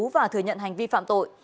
và thừa nhận hành vi phạm tội